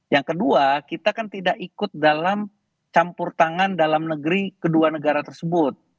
yang kedua kita kan tidak ikut dalam campur tangan dalam negeri kedua negara tersebut